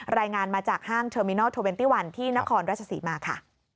รายงานมาจากห้างเทอร์มินัล๒๑ที่นครรัฐศรีมาค่ะ